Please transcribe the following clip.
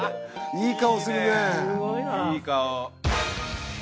いい顔。